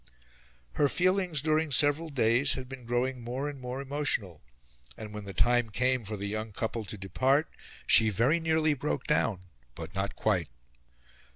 Her feelings during several days had been growing more and more emotional, and when the time came for the young couple to depart she very nearly broke down but not quite.